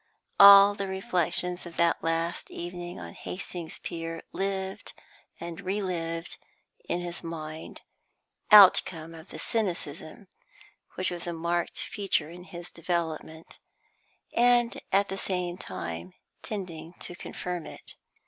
All the reflections of that last evening on Hastings pier lived and re lived in his mind; outcome of the cynicism which was a marked feature in his development, and at the same time tending to confirm it.